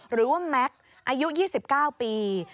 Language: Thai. หรือว่าแม็กซ์อายุ๒๙ปี